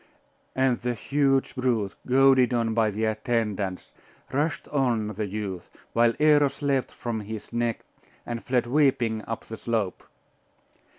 And the huge brute, goaded on by the attendants, rushed on the youth, while Eros leaped from his neck, and fled weeping up the slope.